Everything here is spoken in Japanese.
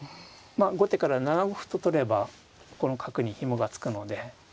後手から７五歩と取ればこの角にひもが付くので。